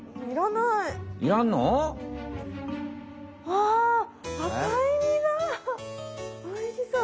わあおいしそう。